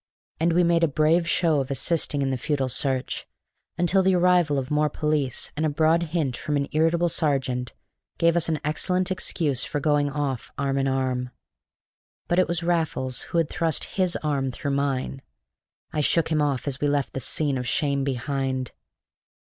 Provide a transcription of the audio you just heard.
And we made a brave show of assisting in the futile search, until the arrival of more police, and a broad hint from an irritable sergeant, gave us an excellent excuse for going off arm in arm. But it was Raffles who had thrust his arm through mine. I shook him off as we left the scene of shame behind.